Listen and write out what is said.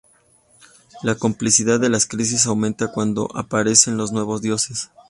La complicidad de la crisis aumenta cuando aparecen los Nuevos Dioses.